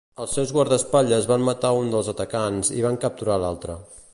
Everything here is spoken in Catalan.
Els seus guardaespatlles van matar un dels atacants i van capturar l'altre.